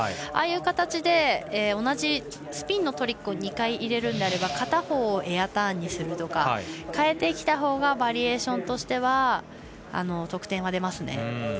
ああいう形で同じスピンのトリックを２回入れるなら片方エアターンにするとか変えてきたほうがバリエーションとしては得点は出ますね。